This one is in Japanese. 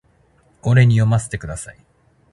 俺に読ませてください